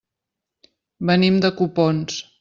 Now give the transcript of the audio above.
Venim de Copons.